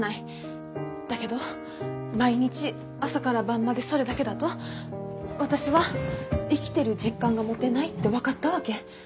だけど毎日朝から晩までそれだけだと私は生きてる実感が持てないって分かったわけ。